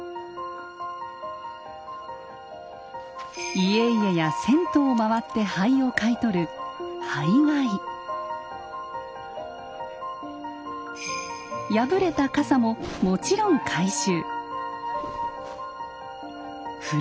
家々や銭湯を回って灰を買い取る破れた傘ももちろん回収。